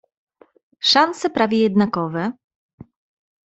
"Szanse prawie jednakowe..."